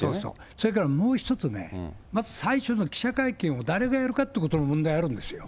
それからもう一つね、まず最初の記者会見を誰がやるかということも問題あるんですよ。